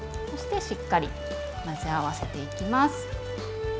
そしてしっかり混ぜ合わせていきます。